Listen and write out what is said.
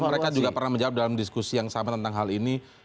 mereka juga pernah menjawab dalam diskusi yang sama tentang hal ini